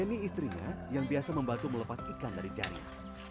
ia ini istrinya yang biasa membantu melepas ikan dari jaring